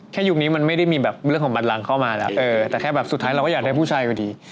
ยุคนี้มันไม่ได้มีแบบเรื่องของบันลังเข้ามาแล้วแต่แค่แบบสุดท้ายเราก็อยากได้ผู้ชายพอดี